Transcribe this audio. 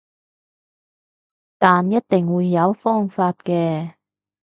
但一定會有方法嘅